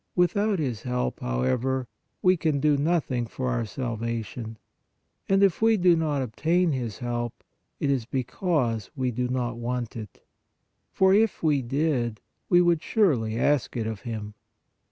Without His help, however, we can do nothing for our sal vation. And if we do not obtain His help, it is because we do not want it, for, if we did, we would surely ask it of Him.